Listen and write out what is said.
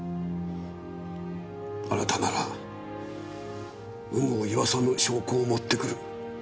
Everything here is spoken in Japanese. あなたなら有無を言わさぬ証拠を持ってくる。